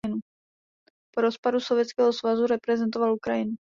Po rozpadu Sovětského svazu reprezentoval Ukrajinu.